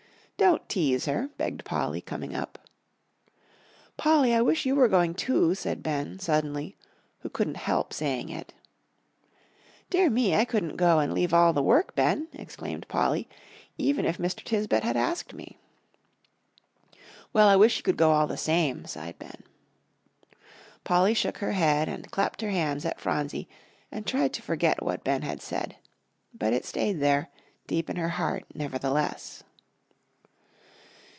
"Don't tease her," begged Polly, coming up. "Polly, I wish you were going too," said Ben, suddenly, who couldn't help saying it. "Dear me, I couldn't go and leave all the work, Ben," exclaimed Polly, "even if Mr. Tisbett had asked me." "Well, I wish you could go, all the same," sighed Ben. Polly shook her head, and clapped her hands at Phronsie, and tried to forget what Ben had said. But it stayed there, deep in her heart, nevertheless.